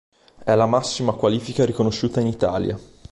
È la massima qualifica riconosciuta in Italia.